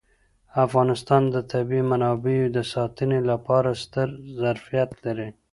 افغانستان د طبیعي منابعو د ساتنې لپاره ستر ظرفیت لري.